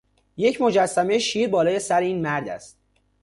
یک مجسمه شیر بالای سر این مرد است.